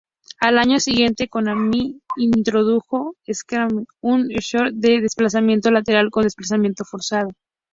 Al año siguiente, Konami introdujo "Scramble", un "shooter" de desplazamiento lateral con desplazamiento forzado.